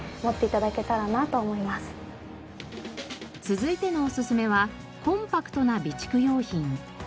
続いてのおすすめはコンパクトな備蓄用品。